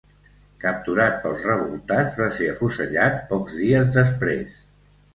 Capturat pels revoltats, va ser afusellat pocs dies després.